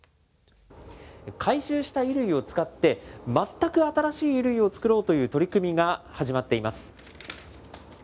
回収した衣類を使って、全く新しい衣類を作ろうという取り組みが始まっています。